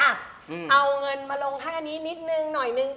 เขาก็อ่ะเอาเงินมาลงแห้นี้นิดนึงหน่อยนึง